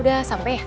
udah sampe ya